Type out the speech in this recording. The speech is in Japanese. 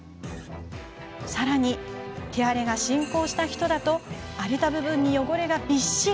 さらに手荒れが進行した人だと荒れた部分に汚れがびっしり。